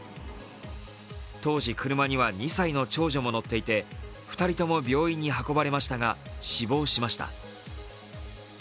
当時、車には２歳の長女も乗っていて２人とも病院に運ばれましたが死亡しました。